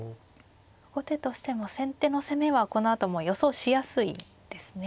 後手としても先手の攻めはこのあとも予想しやすいですね。